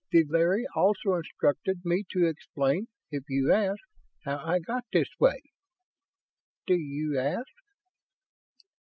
The Larry also instructed me to explain, if you ask, how I got this way. Do you ask?"